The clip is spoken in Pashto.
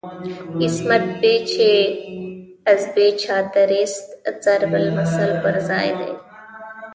"عصمت بی چه از بی چادریست" ضرب المثل پر ځای دی.